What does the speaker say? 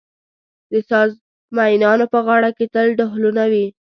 د ساز مېنانو په غاړه کې تل ډهلونه وي.